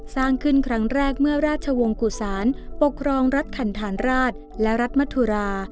สร้างขึ้นครั้งแรกเมื่อราชวงศุศาลปกครองรัฐคันธานราชและรัฐมธุรา